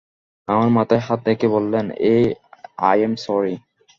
আমার মাথায় হাত রেখে বললেন, এই অ্যাম সরি।